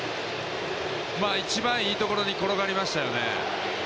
一番いいところに転がりましたよね。